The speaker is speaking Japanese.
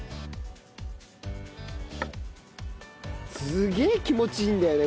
すげえ気持ちいいんだよね